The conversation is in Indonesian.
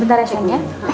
bentar ya cek mirna ya